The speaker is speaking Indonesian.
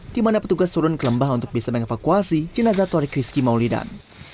di mana petugas turun ke lembah untuk bisa mengevakuasi jenazah torik rizky maulidan